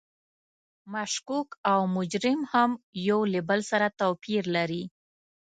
مشکوک او مجرم هم یو له بل سره توپیر لري.